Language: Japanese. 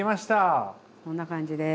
こんな感じです。